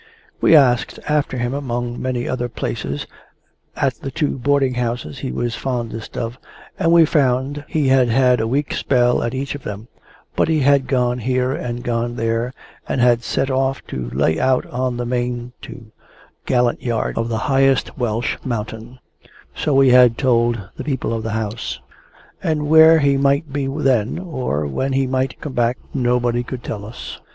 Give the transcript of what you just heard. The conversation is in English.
We asked after him, among many other places, at the two boarding houses he was fondest of, and we found he had had a week's spell at each of them; but, he had gone here and gone there, and had set off "to lay out on the main to' gallant yard of the highest Welsh mountain" (so he had told the people of the house), and where he might be then, or when he might come back, nobody could tell us.